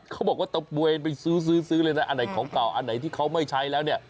เขาบอกว่าตะเวนไปซื้อซื้อเลยนะอันไหนของเก่าอันไหนที่เขาไม่ใช้แล้วเนี่ย